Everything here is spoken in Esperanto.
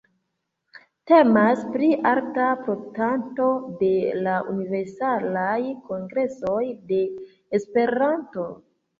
Temas pri alta protektanto de la Universalaj Kongresoj de Esperanto.